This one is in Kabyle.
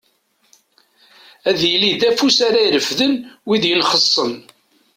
Ad yili d afus ara irefden wid yenxessen.